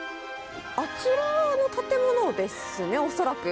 あちらの建物ですね、恐らく。